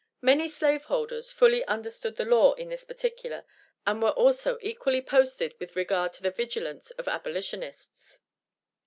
Many slave holders fully understood the law in this particular, and were also equally posted with regard to the vigilance of abolitionists.